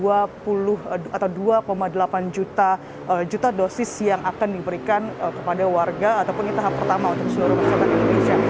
atau dua delapan juta dosis yang akan diberikan kepada warga ataupun ini tahap pertama untuk seluruh masyarakat indonesia